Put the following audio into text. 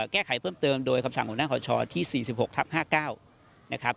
แก้ไขเพิ่มเติมโดยคำสั่งของหน้าขอชที่๔๖ทับ๕๙นะครับ